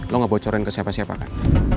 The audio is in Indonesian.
lo gak bocorin ke siapa siapakan